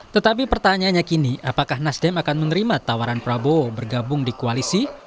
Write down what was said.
tetapi pertanyaannya kini apakah nasdem akan menerima tawaran prabowo bergabung di koalisi